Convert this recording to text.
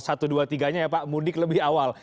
satu dua tiganya ya pak mudik lebih awal